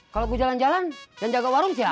kalau gue jalan jalan yang jaga warung siapa